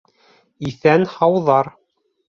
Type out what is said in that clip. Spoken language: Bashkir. Иҫән-Һауҙар.